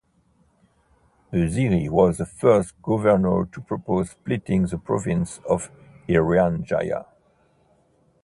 Busiri was the first governor to propose splitting the Province of Irian Jaya.